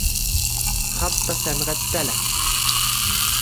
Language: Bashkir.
Хатта сәнғәттә лә.